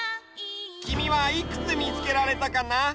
きみはいくつみつけられたかな？